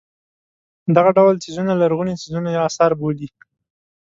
دغه ډول څیزونه لرغوني څیزونه یا اثار بولي.